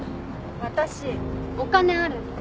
私お金あるんで。